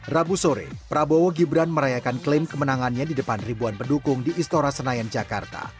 rabu sore prabowo gibran merayakan klaim kemenangannya di depan ribuan pendukung di istora senayan jakarta